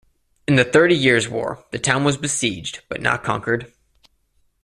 In the Thirty Years' War, the town was besieged, but not conquered.